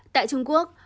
tại trung quốc